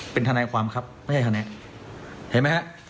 เป็นทนายความครับไม่ใช่ทนายเห็นไหมฮะ